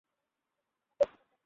যাতে আমি সিরিয়াস না হই।